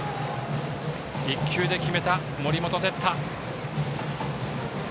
１球で決めた森本哲太。